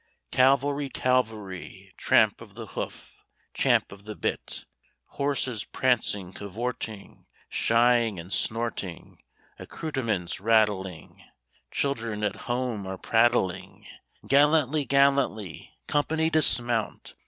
Cavalry, cavalry (Tramp of the hoof, champ of the bit), Horses prancing, cavorting, Shying and snorting, Accoutrements rattling (Children at home are prattling), Gallantly, gallantly, "Company dismount!"